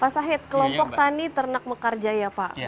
pak sahid kelompok tani ternak mekarjai ya pak